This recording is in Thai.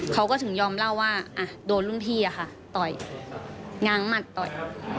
เขาก็ถึงยอมเล่าว่าโดนรุ่นพี่อะค่ะต่อยง้างหมัดต่อย